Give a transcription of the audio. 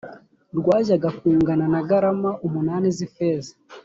rwajyaga kungana na garama umunani z’ifeza